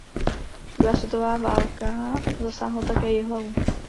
Druhá světová válka zasáhla také Jihlavu.